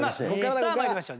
さあ参りましょう。